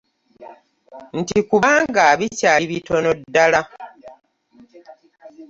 Nti kubanga bikyali bitono ddala.